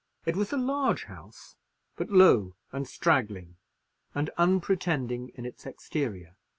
It was a large house; but low and straggling; and unpretending in its exterior.